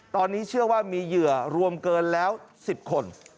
ตอนนี้เชื่อว่ามีเหยื่อรวมเกินแล้ว๑๐คน